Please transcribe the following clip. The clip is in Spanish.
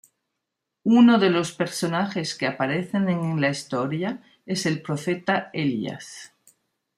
Uno de los personajes que aparecen en la historia es el profeta Elías.